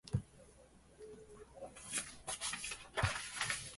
私が左手で胸の上の樽を投げてやると、小人たちは一せいに拍手しました。